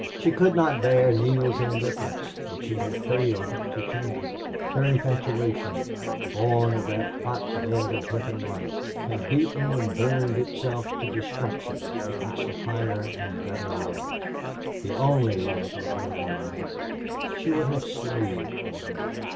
She could not bear Neale's indifference and she had failed to change it. Her infatuation, born of that hot bed of Benton life, had beaten and burned itself to destruction against a higher and better love the only love of her womanhood. She would have slaved for him.